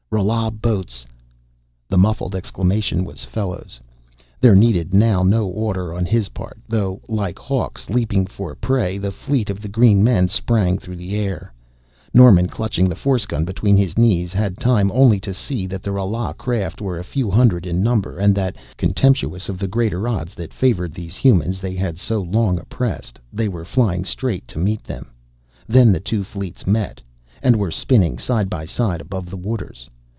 "Rala boats!" The muffled exclamation was Fellows'. There needed now no order on his part, though. Like hawks, leaping for prey, the fleet of the green men sprang through the air. Norman, clutching the force gun between his knees, had time only to see that the Rala craft were a few hundred in number and that, contemptuous of the greater odds that favored these humans they had so long oppressed, they were flying straight to meet them. Then the two fleets met and were spinning side by side above the waters.